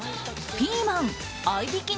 ピーマン合いびき